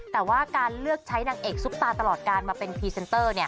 แต่ว่าการเลือกใช้นางเอกซุปตาตลอดการมาเป็นพรีเซนเตอร์